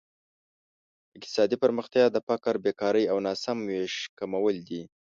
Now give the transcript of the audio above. اقتصادي پرمختیا د فقر، بېکارۍ او ناسم ویش کمول دي.